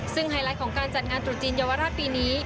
ซึ่งไฮไลท์ของการจัดงานตรุษจีนเยาวราชปีนี้